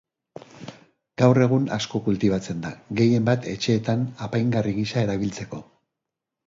Gaur egun asko kultibatzen da, gehienbat etxeetan apaingarri gisa erabiltzeko.